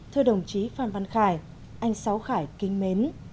thưa đồng chí phan van khai anh sáu khải kính mến